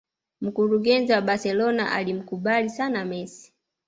Mkurugenzi wa Barcelona alimkubali sana Messi